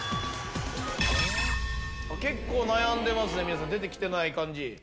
結構悩んでますね皆さん出て来てない感じ。